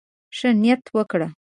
ښه نيت وکړه.